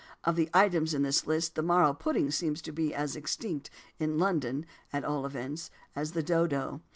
Of the items in this list, the marrow pudding seems to be as extinct in London, at all events as the dodo.